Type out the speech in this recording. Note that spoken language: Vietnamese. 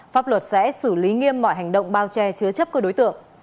pháp luật sẽ xử lý nghiêm mọi hành động bao che chứa chấp cơ đối tượng